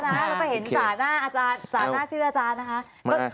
แล้วก็เห็นจ่าหน้าอาจารย์จ๋าน่าเชื่ออาจารย์นะคะ